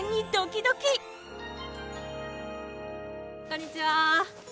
こんにちは。